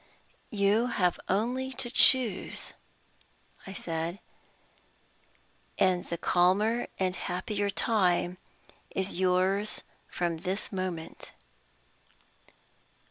"You have only to choose," I said, "and the calmer and happier time is yours from this moment."